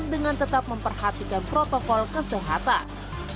dengan tetap memperhatikan protokol kesehatan